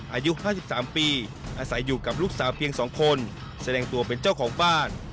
อายุ๕๓ปีอาศัยอยู่กับลูกสาวเพียง๒คนแสดงตัวเป็นเจ้าของบ้าน